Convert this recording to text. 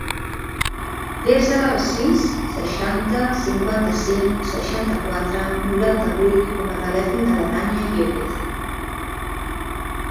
Desa el sis, seixanta, cinquanta-cinc, seixanta-quatre, noranta-vuit com a telèfon de la Dània Yepez.